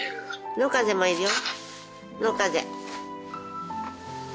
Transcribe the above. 野風もいるよ。